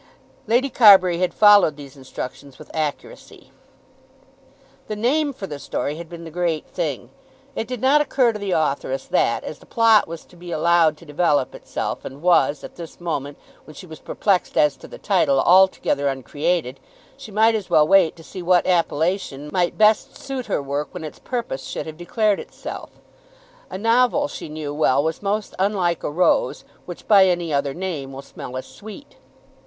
Lady Carbury had followed these instructions with accuracy. The name for the story had been the great thing. It did not occur to the authoress that, as the plot was to be allowed to develop itself and was, at this moment when she was perplexed as to the title, altogether uncreated, she might as well wait to see what appellation might best suit her work when its purpose should have declared itself. A novel, she knew well, was most unlike a rose, which by any other name will smell as sweet.